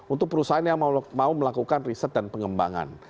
untuk perusahaan yang mau melakukan riset dan pengembangan